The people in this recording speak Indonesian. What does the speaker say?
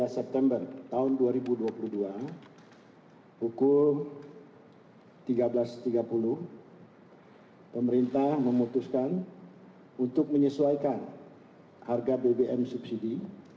tiga september tahun dua ribu dua puluh dua pukul tiga belas tiga puluh pemerintah memutuskan untuk menyesuaikan harga bbm subsidi